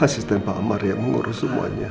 asisten pak amar yang mengurus semuanya